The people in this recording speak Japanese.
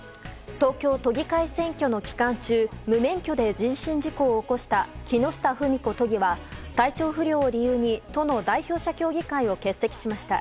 東京都議会選挙の期間中無免許で人身事故を起こした木下富美子都議は体調不良を理由に都の代表者協議会を欠席しました。